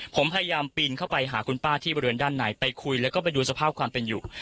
ผมพยายามปีนเข้าไปหาคุณป้าที่บริเวณด้านในไปคุยแล้วก็ไปดูสภาพความเป็นอยู่